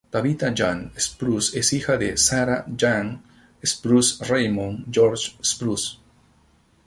Tabitha Jane Spruce es hija de Sarah Jane Spruce y Raymond George Spruce.